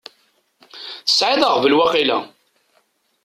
Tesεiḍ aɣbel waqila?